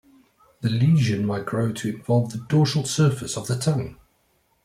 The lesion may grow to involve the dorsal surface of the tongue.